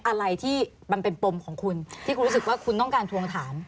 อะไรที่มันเป็นปมของคุณที่คุณรู้สึกว่าคุณต้องการทวงถาม